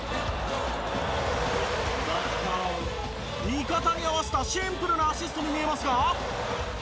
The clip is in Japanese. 味方に合わせたシンプルなアシストに見えますが。